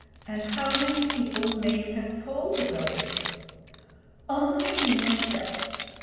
'And how many people may you have told about it?' 'Only me myself.